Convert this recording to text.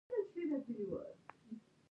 احمد وزده وکړه، خو ښځه یې د سرو په تول واخیسته.